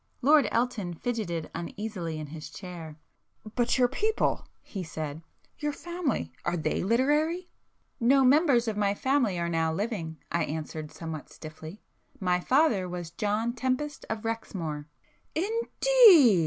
Lord Elton fidgetted uneasily in his chair. "But your people"—he said—"Your family—are they literary?" "No members of my family are now living,"—I answered somewhat stiffly—"My father was John Tempest of Rexmoor." "Indeed!"